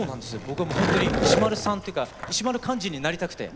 僕はもうほんとに石丸さんというか石丸幹二になりたくて。